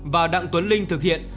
và đặng tuấn linh thực hiện